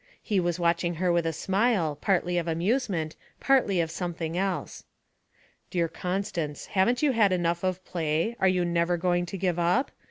He was watching her with a smile, partly of amusement, partly of something else. 'Dear Constance, haven't you had enough of play, are you never going to grow up?